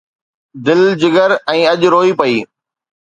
دل، جگر ۽ اڃ روئي پئي